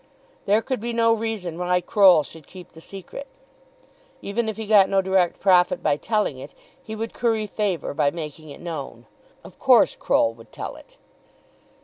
There could be no reason why Croll should keep the secret. Even if he got no direct profit by telling it, he would curry favour by making it known. Of course Croll would tell it.